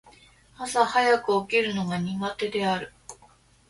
朝早く起きるのが苦手である。